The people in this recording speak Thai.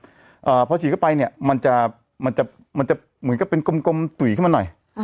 อ่าพอฉีดเข้าไปเนี้ยมันจะมันจะมันจะเหมือนกับเป็นกลมกลมตุ๋ยเข้ามาหน่อยอ่า